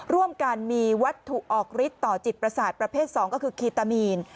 ร่วมกันมีวัตถุออกฤทธิต่อจิตประสาทประเภท๒ก็คือคีตามีน